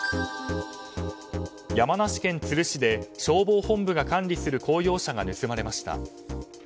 山梨県都留市で消防本部が管理する公用車が盗まれました。